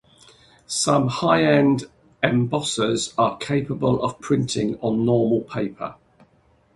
Some high-end embossers are capable of printing on normal paper.